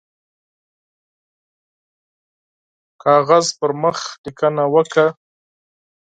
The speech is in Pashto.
د کاغذ پر مخ لیکنه وکړه.